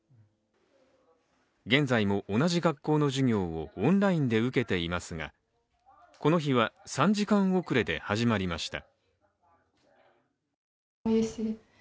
現在も同じ学校の授業をオンラインで受けていますが、この日は３時間遅れで始まりました。